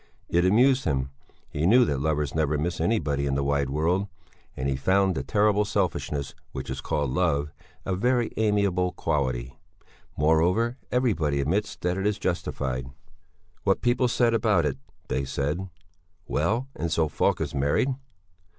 It amused him; he knew that lovers never miss anybody in the wide world, and he found the terrible selfishness, which is called love, a very amiable quality; moreover, everybody admits that it is justified. "What people said about it?" They said: "Well, and so Falk is married?"